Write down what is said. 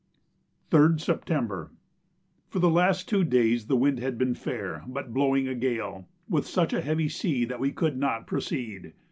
3rd September. For the last two days the wind had been fair, but blowing a gale, with such a heavy sea that we could not proceed.